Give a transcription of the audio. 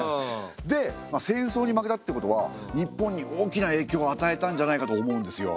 で戦争に負けたってことは日本に大きな影響をあたえたんじゃないかと思うんですよ。